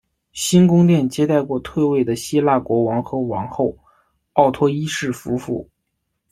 新宫殿接待过退位的希腊国王和王后奥托一世夫妇。